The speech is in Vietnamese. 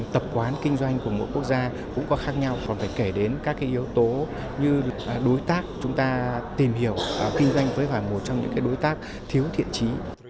tập quán kinh doanh của mỗi quốc gia cũng có khác nhau còn phải kể đến các yếu tố như đối tác chúng ta tìm hiểu kinh doanh với vài một trong những đối tác thiếu thiện trí